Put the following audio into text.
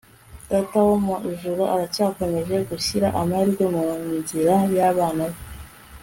Data wo mu ijuru aracyakomeje gushyira amahirwe mu nzira yabana be